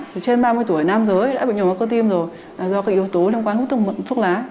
trên ba mươi tuổi nam giới đã bị nhồi máu cơ tim rồi do các yếu tố liên quan hút thuốc lá